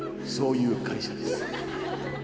そういう会社です。